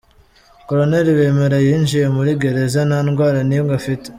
Colonel Bemera yinjiye muri Gereza nta ndwara n’imwe afite.